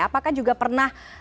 apakah juga pernah